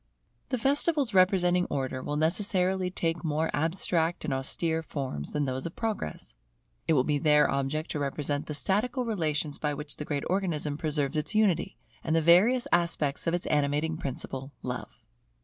The festivals representing Order will necessarily take more abstract and austere forms than those of Progress. It will be their object to represent the statical relations by which the great Organism preserves its unity, and the various aspects of its animating principle, Love.